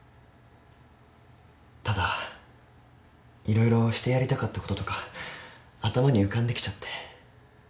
ただ色々してやりたかったこととか頭に浮かんできちゃって。